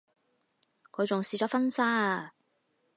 佢仲試咗婚紗啊